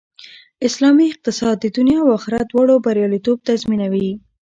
اسلامي اقتصاد د دنیا او آخرت دواړو بریالیتوب تضمینوي